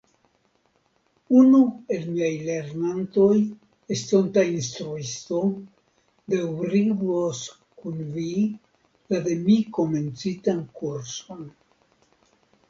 Unu el miaj lernantoj, estonta instruisto, daŭrigos kun vi la de mi komencitan kurson.